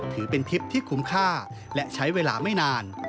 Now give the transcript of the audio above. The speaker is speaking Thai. ถือเป็นทริปที่คุ้มค่าและใช้เวลาไม่นาน